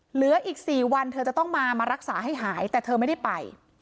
เหลืออีก๔วันเธอจะต้องมามารักษาให้หายแต่เธอไม่ได้ไป